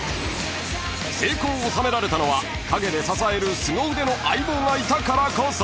［成功を収められたのは陰で支えるすご腕の相棒がいたからこそ］